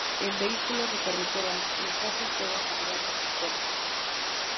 En vehículos de carreras el cofre puede asegurarse con pernos.